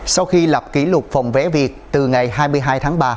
sau khi lập kỷ lục phòng vé việt từ ngày hai mươi hai tháng ba